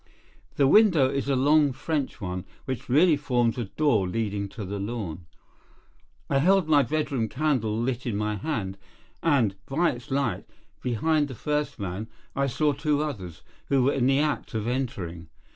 The window is a long French one, which really forms a door leading to the lawn. I held my bedroom candle lit in my hand, and, by its light, behind the first man I saw two others, who were in the act of entering.